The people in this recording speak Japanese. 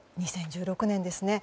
２０１６年ですね。